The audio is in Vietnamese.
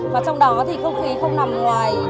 và trong đó không khí không nằm ngoài